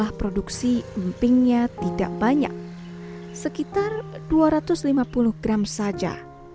jumlah produksi empingnya tidak banyak sekitar dua ratus lima puluh gram saja